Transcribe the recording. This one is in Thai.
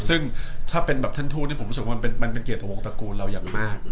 ซึ่งถ้าเป็นแบบท่านทูตนี่ผมรู้สึกว่ามันเป็นเกียรติของวงตระกูลเราอย่างมาก